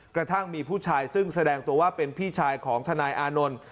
กระทั่งมีผู้ชายซึ่งแสดงตัวว่าเป็นพี่ชายของทนายอานนท์